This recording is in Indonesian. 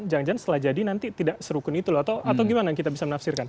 jangan jangan setelah jadi nanti tidak serukun itu loh atau gimana kita bisa menafsirkan